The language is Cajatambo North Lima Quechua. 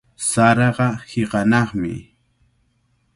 Saraqa hiqanaqmi.